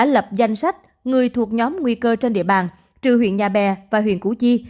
lập danh sách người thuộc nhóm nguy cơ trên địa bàn trừ huyện nhà bè và huyện củ chi